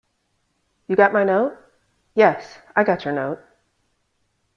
You got my note? Yes, I got your note.